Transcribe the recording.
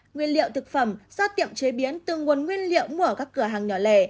nguyên liệu thực phẩm do tiệm chế biến từ nguồn nguyên liệu mua ở các cửa hàng nhỏ lẻ